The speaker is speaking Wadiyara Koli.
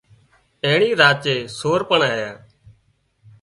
اينڻي راچي سور پڻ آيا